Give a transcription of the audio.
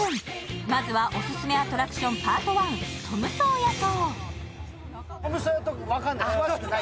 まずはオススメアトラクションパート１、トムソーヤ島。